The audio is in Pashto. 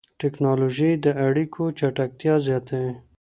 ټکنالوژي د اړيکو چټکتيا زياتوي.